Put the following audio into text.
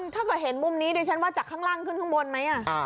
ถ้าเกิดเห็นมุมนี้ดิฉันว่าจากข้างล่างขึ้นข้างบนไหม